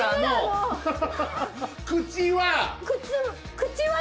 口は。